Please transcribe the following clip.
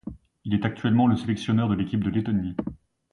Il est actuellement le sélectionneur de l'équipe de Lettonie.